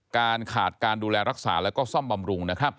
การขาดการดูแลรักษาแล้วก็ซ่อมบำรุง